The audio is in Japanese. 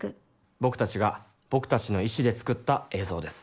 僕たちが僕たちの意思で作った映像です。